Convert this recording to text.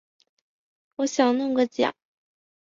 我想弄个奖